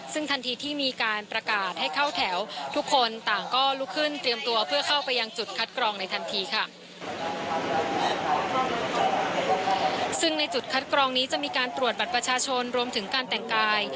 ซึ่งในจุดคัดกรองนี้จะมีการตรวจบัตรประชาชนรวมถึงการแต่งกาย